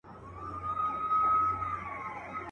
نور د عصمت کوڅو ته مه وروله.